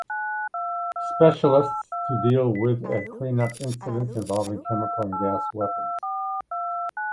Specialists to deal with and clean up incidents involving chemical and gas weapons.